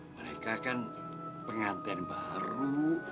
mereka kan pengantin baru